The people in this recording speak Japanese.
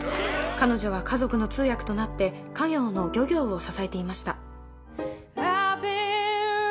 彼女は家族の通訳となって家業の漁業を支えていました。